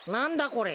これ。